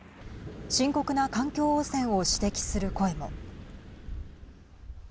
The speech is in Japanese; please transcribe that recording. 深刻な環境汚染を指摘する声も。